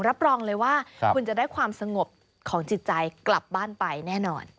รับรองเลยว่าคุณจะได้ความสงบของจิตใจกลับบ้านไปแน่นอน